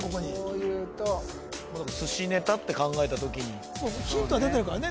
こういうとまあでも寿司ネタって考えた時にそうヒントは出てるからね